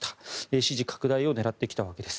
支持拡大を狙ってきたわけです。